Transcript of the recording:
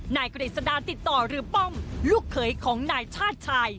นายก็ได้สะดานติดต่อหรือปมลูกเขยของนายชาดชาย